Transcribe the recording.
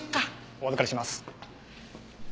お預かりします。